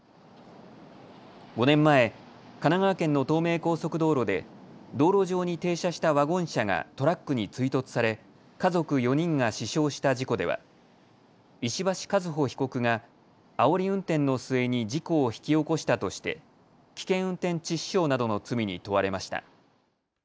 ５年前、神奈川県の東名高速道路で道路上に停車したワゴン車がトラックに追突され家族４人が死傷した事故では石橋和歩被告があおり運転の末に事故を引き起こしたとして危険運転致死傷などの罪に問われました。